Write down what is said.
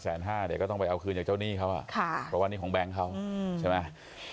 ห้าเดี๋ยวก็ต้องไปเอาคืนจากเจ้าหนี้เขาอ่ะค่ะเพราะว่านี่ของแบงค์เขาใช่ไหม